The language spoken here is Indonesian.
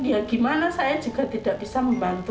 ya gimana saya juga tidak bisa membantu